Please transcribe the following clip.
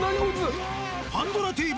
「パンドラＴＶ」